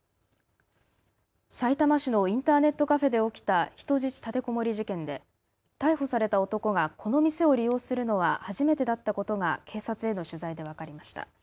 さいたま市のインターネットカフェで起きた人質立てこもり事件で逮捕された男がこの店を利用するのは初めてだったことが警察への取材で分かりました。